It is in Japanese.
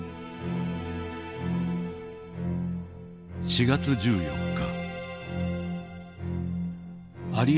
「４月１４日」。